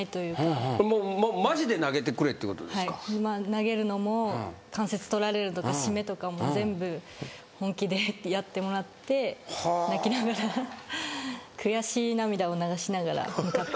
投げるのも関節とられるとか絞めとかも全部本気でやってもらって泣きながら悔し涙を流しながら向かって。